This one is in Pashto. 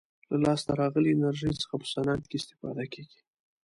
له لاسته راغلې انرژي څخه په صنعت کې استفاده کیږي.